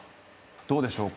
どうでしょうか？